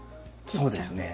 そうですね。